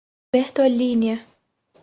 Bertolínia